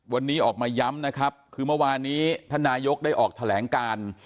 วันนี้ออกมาย้ำนะครับคือเมื่อวานนี้ท่านนายกได้ออกแถลงการ